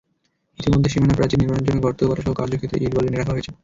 ইতিমধ্যে সীমানাপ্রাচীর নির্মাণের জন্য গর্ত করাসহ কার্যক্ষেত্রে ইট, বালু এনে রাখা হয়েছে।